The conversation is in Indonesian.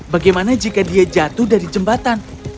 bagaimana jika dia jatuh dari jembatan